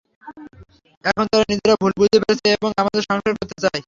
এখন তারা নিজেরা ভুল বুঝতে পেরেছে এবং আবার সংসার করতে চায়।